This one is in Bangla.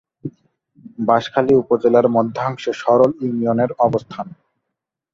বাঁশখালী উপজেলার মধ্যাংশে সরল ইউনিয়নের অবস্থান।